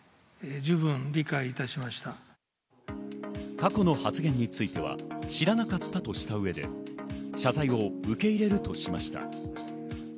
過去の発言については知らなかったとした上で、謝罪を受け入れるとしました。